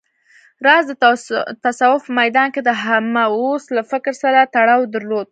راز د تصوف په ميدان کې د همه اوست له فکر سره تړاو درلود